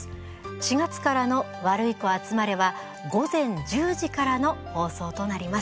４月からの「ワルイコあつまれ」は午前１０時からの放送となります。